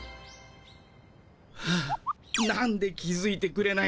はあなんで気づいてくれないんだよ。